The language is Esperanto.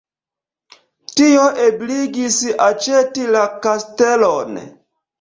Tio ebligis aĉeti la kastelon.